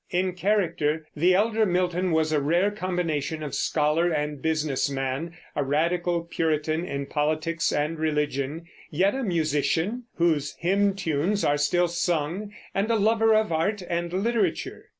In character the elder Milton was a rare combination of scholar and business man, a radical Puritan in politics and religion, yet a musician, whose hymn tunes are still sung, and a lover of art and literature.